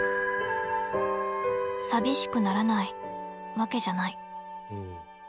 寂しくならないわけじゃない。